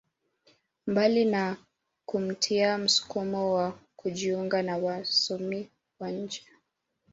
Mbali na kumtia msukumo wa kujiunga na wasomi wa nchi